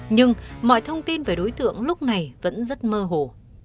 nhưng mọi thông tin về đối tượng lúc này vẫn rất mơ hồ